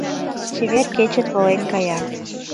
Чевер кечет волен кая